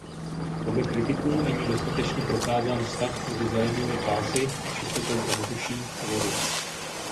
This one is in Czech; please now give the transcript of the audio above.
Podle kritiků není dostatečně prokázán vztah mezi zelenými pásy a čistotou ovzduší a vody.